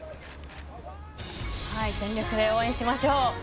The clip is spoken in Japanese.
全力で応援しましょう。